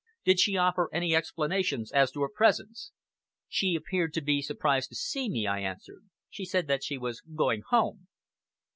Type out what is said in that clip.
"Did she offer any explanations as to her presence?" "She appeared to be surprised to see me," I answered. "She said that she was going home."